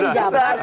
ini belum kelar nih